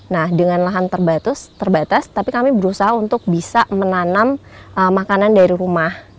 nah dengan lahan terbatas tapi kami berusaha untuk bisa menanam makanan dari rumah